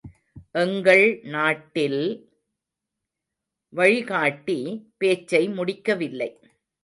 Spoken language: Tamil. எங்கள் நாட்டில்... வழிகாட்டி பேச்சை முடிக்கவில்லை.